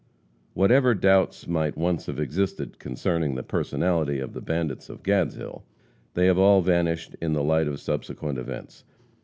Whatever doubts might once have existed concerning the personality of the bandits of Gadshill, they have all vanished in the light of subsequent events.